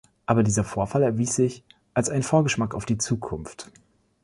Aber dieser Vorfall erwies sich als ein Vorgeschmack auf die Zukunft.